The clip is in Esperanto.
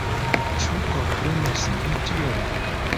Ĉu komprenas vi tion?